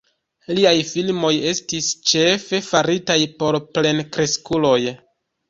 Liaj filmoj estis ĉefe faritaj por plenkreskuloj.